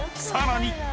さらに］